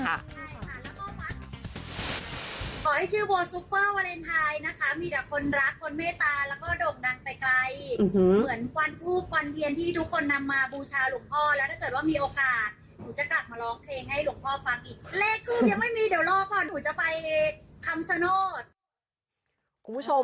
ถ้าไม่มีเดี๋ยวรอก่อนหนูจะไปคำชะโนธ